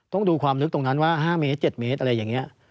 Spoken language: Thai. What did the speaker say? ต้องดูความลึกตรงนั้นว่า๕เมตร๗เมตรอะไรอย่างนี้